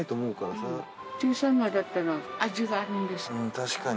確かに。